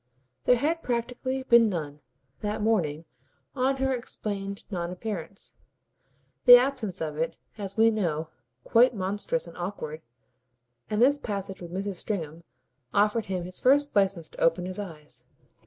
There had practically been none, that morning, on her explained non appearance the absence of it, as we know, quite monstrous and awkward; and this passage with Mrs. Stringham offered him his first licence to open his eyes.